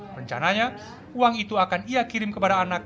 rencananya uang itu akan ia kirim kepada anak